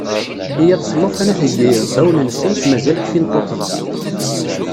Tiyaḍ s lufanat deg yirebbawen-nsent mazal kfin tuṭḍa.